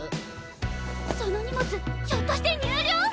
その荷物ひょっとして入寮！？